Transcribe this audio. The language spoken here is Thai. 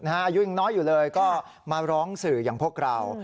อายุยังน้อยอยู่เลยก็มาร้องสื่ออย่างพวกเรา